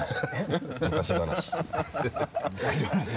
昔話。